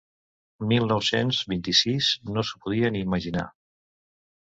Mil nou-cents vint-i-sis no s'ho podia ni imaginar.